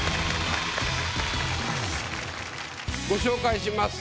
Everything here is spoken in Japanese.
ご紹介します。